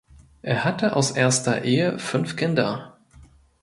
Er hatte aus erster Ehe fünf Kinder.